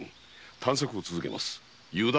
探索を続けます。